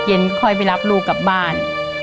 ค่อยไปรับลูกกลับบ้าน